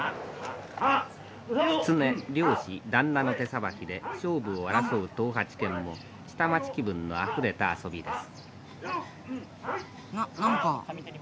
狐・猟師・旦那の手さばきで勝負を争う東八拳の下町気分のあふれた遊びです。